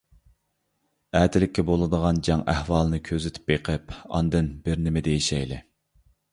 ئەتىلىككە بولىدىغان جەڭ ئەھۋالىنى كۆزىتىپ بېقىپ ئاندىن بىرنېمە دېيىشەيلى.